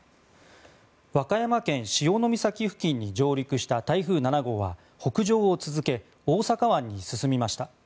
和歌山県・潮岬付近に上陸した台風７号は北上を続け大阪湾に進みました。